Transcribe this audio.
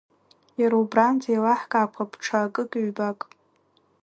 Иара убранӡа иеилаҳкаақәап ҽа акык-ҩбак.